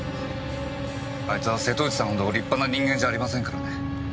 あいつは瀬戸内さんほど立派な人間じゃありませんからね。